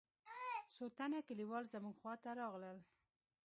څو تنه كليوال زموږ خوا ته راغلل.